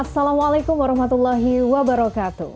assalamualaikum warahmatullahi wabarakatuh